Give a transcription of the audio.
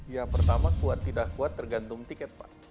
ya pertama kuat tidak kuat tergantung tiket pak